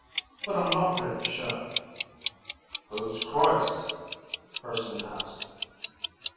"But I'm not really sure." "Who's Christ?" Urson asked.